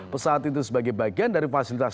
pesawat itu sebagai bagian dari fasilitas